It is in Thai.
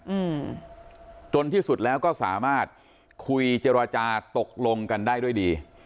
อืมจนที่สุดแล้วก็สามารถคุยเจรจาตกลงกันได้ด้วยดี